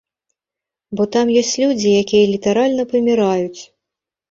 Бо там ёсць людзі, якія літаральна паміраюць!